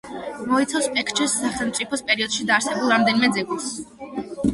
მოიცავს პექჩეს სახელმწიფოს პერიოდში დაარსებულ რამდენიმე ძეგლს.